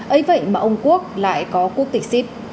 ấy vậy mà ông quốc lại có quốc tịch ship